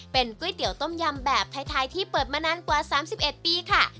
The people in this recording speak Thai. เป็นก๋วยเตี๋ยวต้มยำแบบไทยที่เปิดมานานกว่า๓๑ปีค่ะ